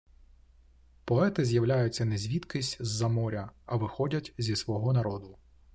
Поети з’являються не звідкись з-за моря, а виходять зі свого народу.